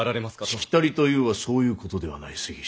しきたりというはそういうことではない杉下。